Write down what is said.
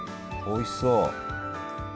おいしそう。